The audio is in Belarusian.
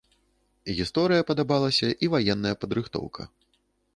Гісторыя падабалася і ваенная падрыхтоўка.